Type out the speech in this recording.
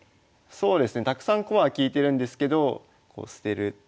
そうですねたくさん駒は利いてるんですけど捨てる。